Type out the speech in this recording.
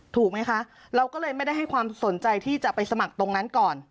ถูกไหมคะเราก็เลยไม่ได้ให้ความสนใจที่จะไปสมัครตรงนั้นก่อน